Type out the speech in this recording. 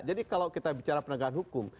jadi kalau kita bicara penegakan hukum